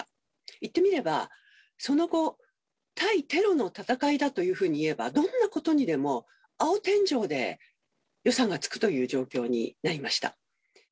いってみれば、その後、対テロの戦いだと言えば、どんなことにでも青天井で予算がつくという状況になりました。